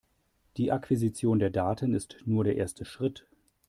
Die Akquisition der Daten ist nur der erste Schritt.